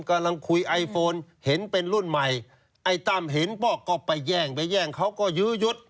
กำลังคุยไอโฟนเห็นเป็นรุ่นใหม่ไอ้ตั้มเห็นป้อก็ไปแย่งไปแย่งเขาก็ยื้อยุด